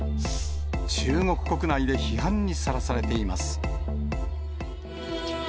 中国国内で批判にさらされています。